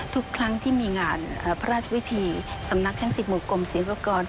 ทุกครั้งที่มีงานพระราชวิธีสำนักช่างสิบหมู่กรมศิลปกรณ์